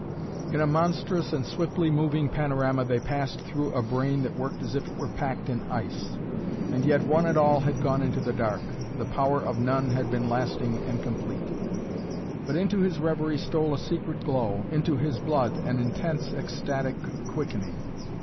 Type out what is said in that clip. In a monstrous and swiftly moving panorama they passed through a brain that worked as if it were packed in ice. And yet one and all had gone into the dark. The power of none had been lasting and complete. But into his reverie stole a secret glow, into his blood an intense, ecstatic quickening.